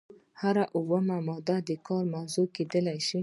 هره اومه ماده د کار موضوع کیدای شي.